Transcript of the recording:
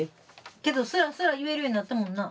けどスラスラ言えるようになったもんな。